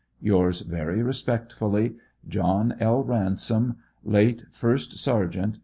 Yours Very Respectfully, JOHN L. RANSOM, Late 1st Sergt. Co.